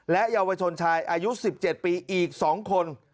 เยาวชนชายอายุ๑๗ปีอีก๒คน